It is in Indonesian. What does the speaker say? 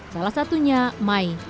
salah satunya mai